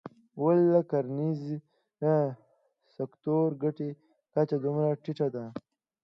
ولې د کرنیز سکتور ګټې کچه دومره ټیټه ده.